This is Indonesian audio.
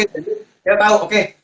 jadi kita tahu oke